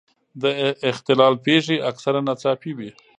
د اختلال پېښې اکثره ناڅاپي وي.